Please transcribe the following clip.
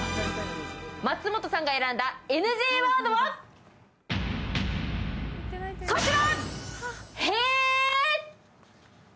松本さんがＮＧワードはこちら！